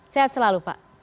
sehat selalu pak